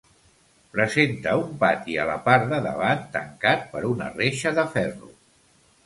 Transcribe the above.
Presenta un pati a la part de davant tancat per una reixa de ferro.